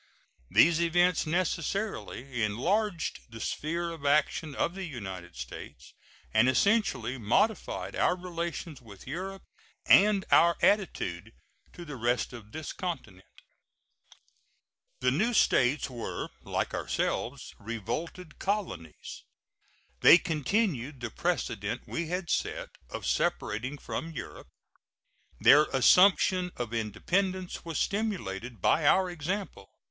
These events necessarily enlarged the sphere of action of the United States, and essentially modified our relations with Europe and our attitude to the rest of this continent. The new States were, like ourselves, revolted colonies. They continued the precedent we had set, of separating from Europe. Their assumption of independence was stimulated by our example.